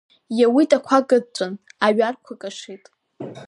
Иауит ақәа кыдҵәан, аҩарқәа кашит.